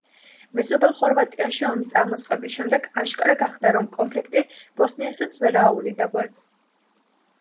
მეზობელ ხორვატიაში ომის წამოწყების შემდეგ აშკარა გახდა, რომ კონფლიქტი ბოსნიასაც ვერ აუვლიდა გვერდს.